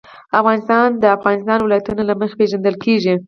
افغانستان د د افغانستان ولايتونه له مخې پېژندل کېږي.